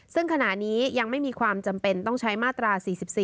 ซึ่งขณะนี้ยังไม่มีความจำเป็นต้องใช้มาตรา๔๔